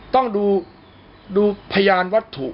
ต้องดูพยานวัตถุ